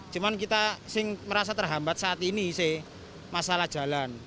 cuman kita sih merasa terhambat saat ini sih masalah jalan